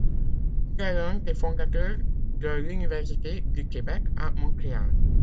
Il est l’un des fondateurs de l’Université du Québec à Montréal.